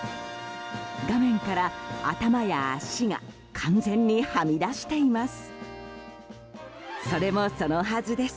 画面から、頭や足が完全にはみ出しています。